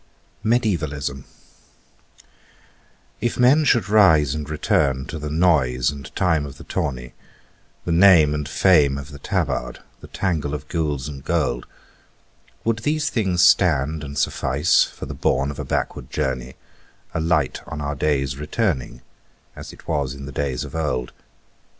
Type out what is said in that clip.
"MEDIÆVALISM" If men should rise and return to the noise and time of the tourney, The name and fame of the tabard, the tangle of gules and gold, Would these things stand and suffice for the bourne of a backward journey, A light on our days returning, as it was in the days of old?